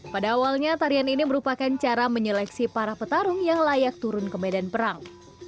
pada awalnya tarian ini merupakan cara menyeleksi para petarung yang layak turun ke medan perang